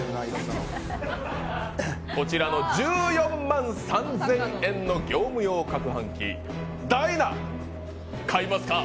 こちらの１４万３０００円の業務用かくはん機・ダイナ、買いますか？